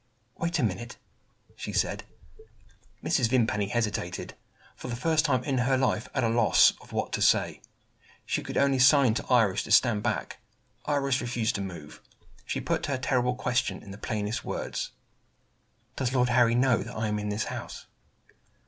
"Wait a minute," she said. Mrs. Vimpany hesitated. For the first time in her life at a loss what to say, she could only sign to Iris to stand back. Iris refused to move. She put her terrible question in the plainest words: "How does Lord Harry know that I am in this house?"